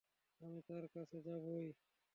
আমি তার কাছে যাবোই!